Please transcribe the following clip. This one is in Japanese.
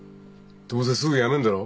どうせすぐ辞めんだろ？